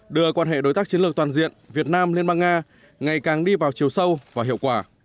đưa quan hệ đối tác chiến lược toàn diện việt nam liên bang nga ngày càng đi vào chiều sâu và hiệu quả